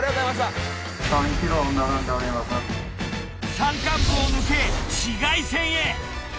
山間部を抜け市街戦へ。